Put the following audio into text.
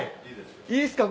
いいっすか？